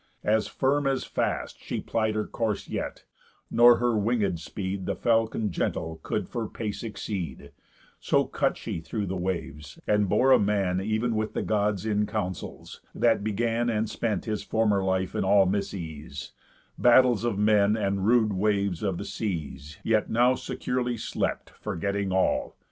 As firm as fast She ply'd her course yet; nor her wingéd speed The falcon gentle could for pace exceed; So cut she through the waves, and bore a man Even with the Gods in counsels, that began And spent his former life in all misease, Battles of men, and rude waves of the seas, Yet now securely slept, forgetting all.